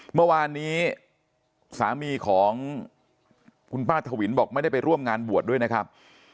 เมื่อวานนี้สามีของคุณป้าถวินบอกไม่ได้ไปร่วมงานบวชด้วยนะครับ